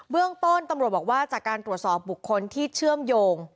เรื่องต้นตำรวจบอกว่าจากการตรวจสอบบุคคลที่เชื่อมโยง